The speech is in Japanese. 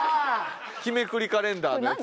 日めくりカレンダーのやつ。